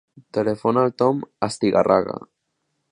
Telefona al Tom Astigarraga.